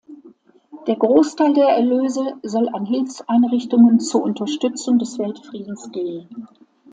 Der Großteil der Erlöse soll an Hilfseinrichtungen zur Unterstützung des Weltfriedens gehen.